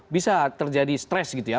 bisa terjadi stres gitu ya